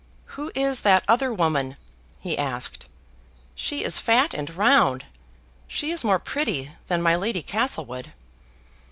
"Who is that other woman?" he asked. "She is fat and round; she is more pretty than my Lady Castlewood."